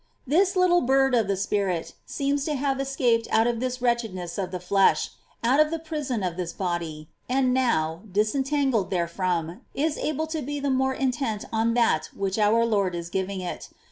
12. This little bird of the spirit seems to have escaped out of this wretchedness of the flesh, out of the prison of this body, and now, disentangled therefrom, is able to be the more intent on that which our Lord is giving it.